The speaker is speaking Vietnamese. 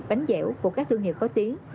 bánh dẻo của các thương hiệu có tiếng